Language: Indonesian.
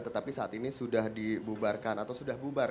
tetapi saat ini sudah dibubarkan atau sudah bubar